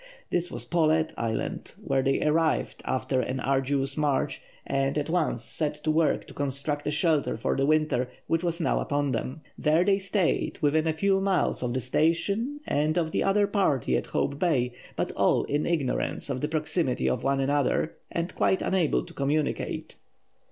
This was Paulet Island, where they arrived after an arduous march and at once set to work to construct a shelter for the winter, which was now upon them. There they stayed, within a few miles of the station, and of the other party at Hope Bay, but all in ignorance of the proximity of one another, and quite unable to communicate.